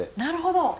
なるほど！